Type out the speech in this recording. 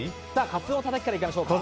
カツオのたたきからいきましょうか。